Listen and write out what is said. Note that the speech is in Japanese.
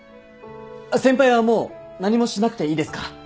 先輩はもう何もしなくていいですから。